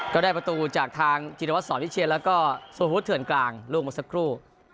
ก็ได้ประตูจากทางจิรวัตรสอนวิเชียนแล้วก็สุพุทธเถื่อนกลางลูกเมื่อสักครู่